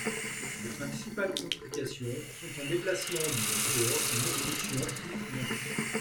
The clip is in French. Les principales complications sont un déplacement du tuteur, une obstruction ou une infection.